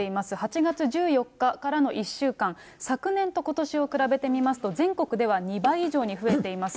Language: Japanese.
８月１４日からの１週間、昨年とことしを比べてみますと、全国では２倍以上に増えています。